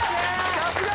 さすが！